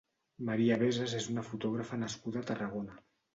Maria Veses és una fotògrafa nascuda a Tarragona.